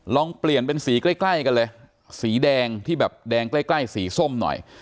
ลองเปลี่ยนเป็นสีใกล้ใกล้กันเลยสีแดงที่แบบแดงใกล้ใกล้สีส้มหน่อย